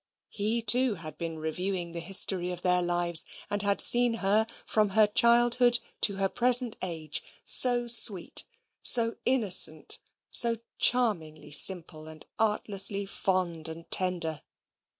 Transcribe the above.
He, too, had been reviewing the history of their lives and had seen her from her childhood to her present age, so sweet, so innocent, so charmingly simple, and artlessly fond and tender.